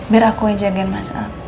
biar aku yang jagain masalah